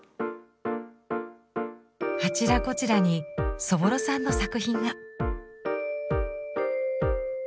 あちらこちらにそぼろさんの作品が。